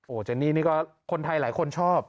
เจนนี่นี่ก็คนไทยหลายคนชอบ